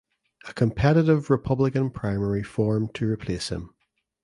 A competitive Republican primary formed to replace him.